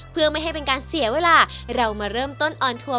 เพื่อไม่ให้เป็นการเสียเวลาเรามาเริ่มต้นออนทัวร์